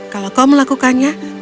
kalau kau melakukannya